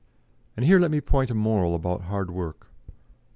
And here let me point a moral about hard work.